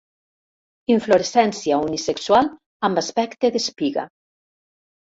Inflorescència unisexual amb aspecte d'espiga.